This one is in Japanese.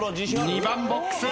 ２番ボックス。